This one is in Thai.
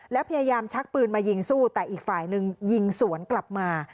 แล้วพยายามชักปืนมายิงสู้แต่อีกฝ่ายนึงยิงสวนกลับมา